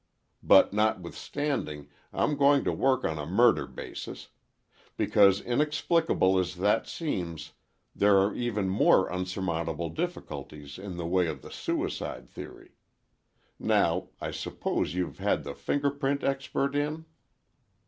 But, notwithstanding, I'm going to work on a murder basis. Because inexplicable as that seems, there are even more insurmountable difficulties in the way of the suicide theory. Now, I suppose you've had the finger print expert in?"